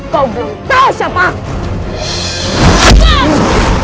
kau belum tahu siapa